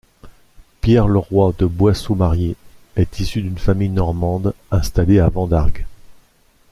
Pierre Le Roy de Boiseaumarié est issu d'une famille normande installée à Vendargues.